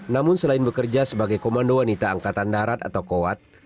namun selain bekerja sebagai komando wanita angkatan darat atau kowat